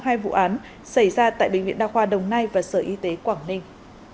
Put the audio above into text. hai vụ án xảy ra tại bệnh viện đa khoa đồng nai và sở y tế quảng ninh